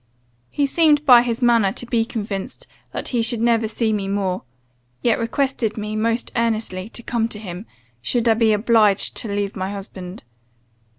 He seemed by his manner to be convinced that he should never see me more; yet requested me, most earnestly, to come to him, should I be obliged to leave my husband.